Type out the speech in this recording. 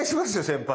先輩。